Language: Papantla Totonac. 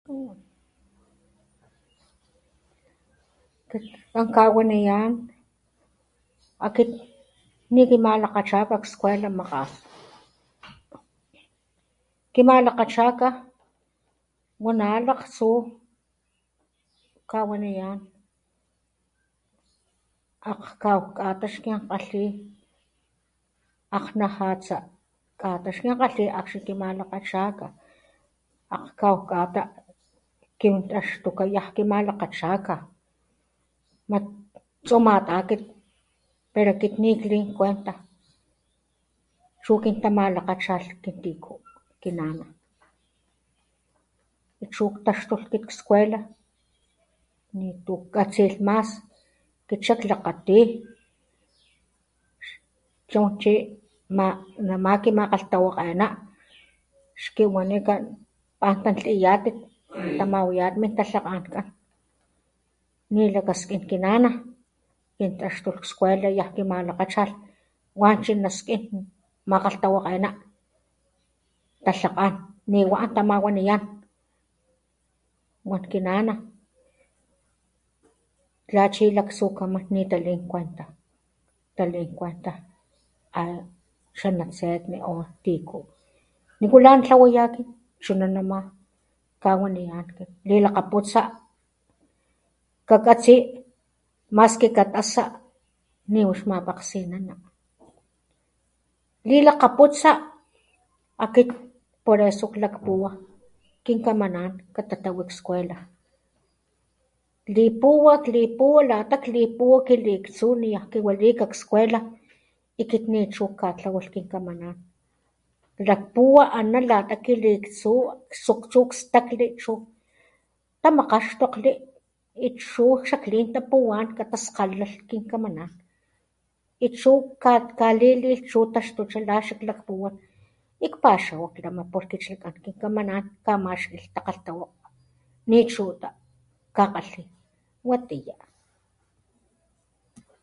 Kakawiniyanti akit nikimalakgachapa escuela makgas ki malakgachapa wana laktsú kawaniya akgaw kgataxki akgalhi akgnajatsa kataxkgalhi akxni kimanakachaka akgaw kata' kintaxtukaya kimalakachaka mak tsumatati pero kitnitlin kwalta chu kintamalakachalh ki tiku kinnana chu tatsokgni escuela nitu katsilhmas takgxalhlakgati chu chi ma nama kinmakgalhtawakgena xkiwanikan atantliyatit tamawiyatni taxa'akgá ni lakasninkinana nitaxtu escuela yajkimalakgachalh wa chinaskin makgalhtawakgená na xakan niwa tamawaniyán watkinana tlachi laktsukaman nitali kwalta tali kwalta xalaksi ku aman tiku nikulá tlawiyaki chuna nema kgawaliaktu lilakaputsa kakatsí maskikatasa ni uxmapakgsinana lilakaputsa akit parasujlakgpuwa ki ka manak kitatawi escuela lipuwak lipulatat lipukilitsú liakgkiwilika escuela ikit min chu katlawax kinkamaná lakgpuwa ana lakakilitsuwa suk chukstakiri chu tamakgasxtakglhi ixchujchajli takuwankgataskalhankinkamaná ixchuj kakgalili chu taxtuchán lax chu lakgpuwa ikpaxawak lama pulhkichinka kin kamaná kamaxilhtakgalhtawa ni chuta kkagalhti watiyá.